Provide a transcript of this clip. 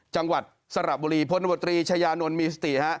จังหวัดสระบุรีพบชญมิสติฮะ